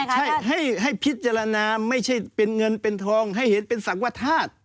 ใช่ให้พิจารณาไม่ใช่เป็นเงินเป็นทองให้เห็นเป็นศักวธาตุ